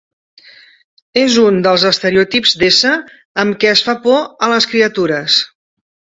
És un dels estereotips d'ésser amb què es fa por a les criatures.